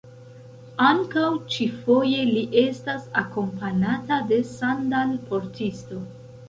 Ankaŭ ĉifoje, li estas akompanata de sandal-portisto.